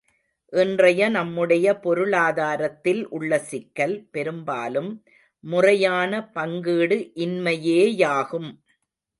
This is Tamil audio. இன்றைய நம்முடைய பொருளாதாரத்தில் உள்ள சிக்கல் பெரும்பாலும் முறையான பங்கீடு இன்மையே யாகும்.